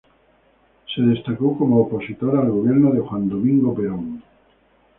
Se destacó como opositor al gobierno de Juan Domingo Perón.